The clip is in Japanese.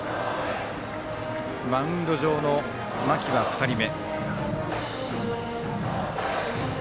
マウンド上の間木は２人目。